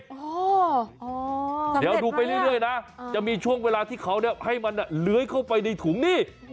เดี๋ยวดูไปเรื่อยนะจะมีช่วงเวลาที่เขาให้มันเลื้อยเข้าไปในถุงนี่